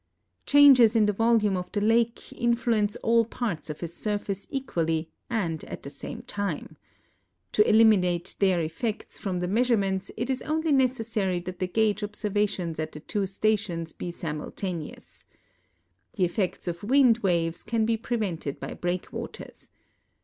Changes in the volume of the lake influence all parts of its surface equally and at the same time. To eliminate their effects from the measurements it is only necessary that the gage obser vations at the two stations be simultaneous. The effects of wind waves can be prevented by breakwaters.